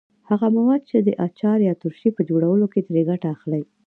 هغه مواد چې د اچار یا ترشۍ په جوړولو کې ترې ګټه اخلئ.